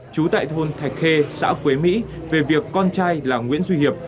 trú tại thôn thạch khê xã quế mỹ về việc con trai là nguyễn duy hiệp